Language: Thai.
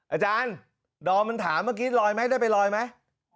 อาจารย์ดอมมันถามเมื่อกี้ลอยไหมได้ไปลอยไหม